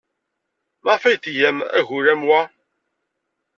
Maɣef ay tgam agul am wa?